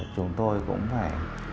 chúng tôi cũng phải